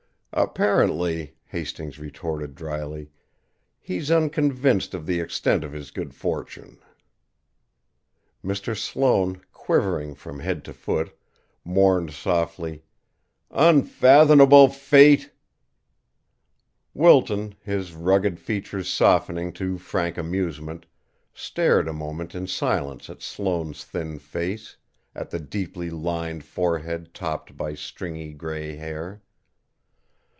"Apparently," Hastings retorted drily, "he's unconvinced of the extent of his good fortune." Mr. Sloane, quivering from head to foot, mourned softly: "Unfathomable fate!" Wilton, his rugged features softening to frank amusement, stared a moment in silence at Sloane's thin face, at the deeply lined forehead topped by stringy grey hair.